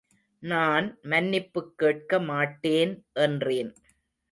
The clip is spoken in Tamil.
நான் மன்னிப்புக் கேட்க மாட்டேன் என்றேன்.